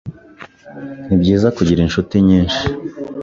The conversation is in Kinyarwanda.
Nibyiza kugira inshuti nyinshi.